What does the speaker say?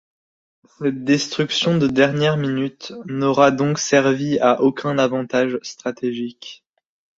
Cette destruction de dernière minute n'aura donc servi à aucun avantage stratégique.